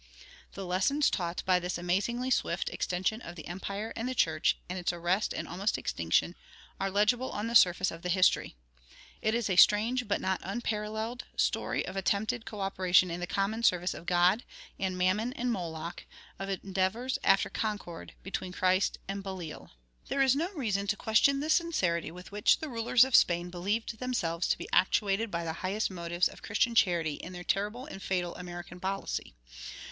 The lessons taught by this amazingly swift extension of the empire and the church, and its arrest and almost extinction, are legible on the surface of the history. It is a strange, but not unparalleled, story of attempted coöperation in the common service of God and Mammon and Moloch of endeavors after concord between Christ and Belial. There is no reason to question the sincerity with which the rulers of Spain believed themselves to be actuated by the highest motives of Christian charity in their terrible and fatal American policy.